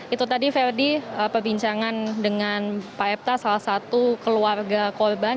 itu tadi verdi perbincangan dengan pak epta salah satu keluarga korban